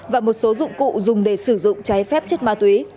và một số dụng cụ dùng để sử dụng trái phép chất ma túy